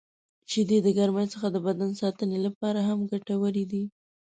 • شیدې د ګرمۍ څخه د بدن ساتنې لپاره هم ګټورې دي.